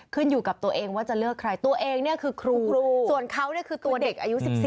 ขึ้นอยู่กับตัวเองว่าจะเลือกใครตัวเองเนี่ยคือครูส่วนเขาเนี่ยคือตัวเด็กอายุ๑๔